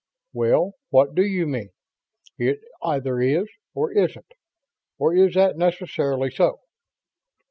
"Well, what do you mean? It either is or isn't. Or is that necessarily so?"